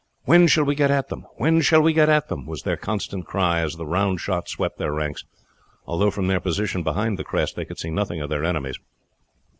"When shall we get at them? when shall we get at them?" was their constant cry as the round shot swept their ranks, although from their position behind the crest they could see nothing of their enemies.